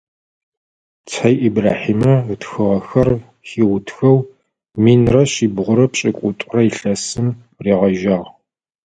Цэй Ибрахьимэ ытхыхэрэр хиутыхэу минрэ шъибгъурэ пшӏыкӏутӏрэ илъэсым ригъэжьагъ.